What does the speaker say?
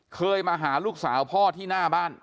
เคยมาหาลูกสาวพ่อที่หน้าบ้าน